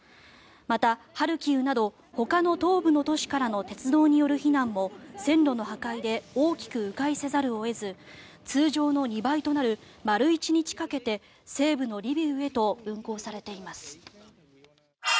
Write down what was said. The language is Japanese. また、ハルキウなどほかの東部の都市からの鉄道による避難も線路の破壊で大きく迂回せざるを得ず通常の２倍となる丸１日かけて西部のリビウへと運行されています。